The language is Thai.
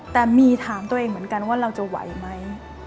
แต่มีถามตัวเองเหมือนกันว่าเราจะไหวไหม